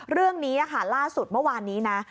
เรื่องนี้ค่ะล่าสุดเมื่อวานนี้นะ